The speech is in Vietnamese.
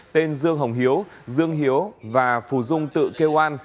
tên dương hồng hiếu dương hiếu và phù dung tự kêu an